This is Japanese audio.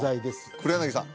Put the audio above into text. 黒柳さん